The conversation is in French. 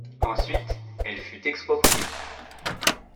Ensuite, elle fut expropriée.